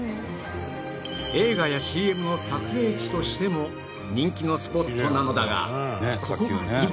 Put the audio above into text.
映画や ＣＭ の撮影地としても人気のスポットなのだがここが今